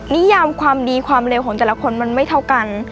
นิยามความดีความเลวของแต่ละคนมันไม่เท่ากัน